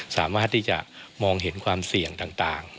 สามารถที่จะมองเห็นความเสี่ยงต่าง